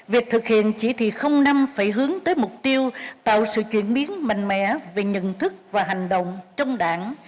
việc thực hiện chỉ thị năm phải hướng tới mục tiêu tạo sự chuyển biến mạnh mẽ về nhận thức và hành động trong đảng